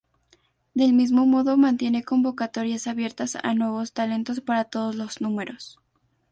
Del mismo modo mantiene convocatorias abiertas a nuevos talentos para todos los números.